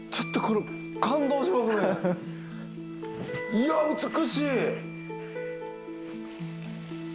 いや美しい！